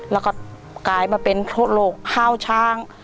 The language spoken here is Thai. แล้วก็กลายมาเป็นโรคห้าวช้าง